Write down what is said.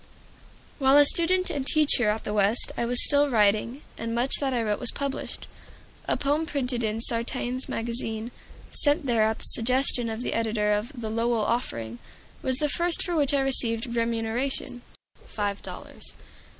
While a student and teacher at the West I was still writing, and much that I wrote was published. A poem printed in "Sartain's Magazine," sent there at the suggestion of the editor of the "Lowell Offering" was the first for which I received remuneration five dollars.